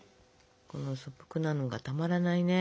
この素朴なのがたまらないね。